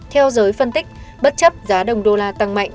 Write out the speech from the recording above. theo giới phân tích bất chấp giá đồng đô la tăng mạnh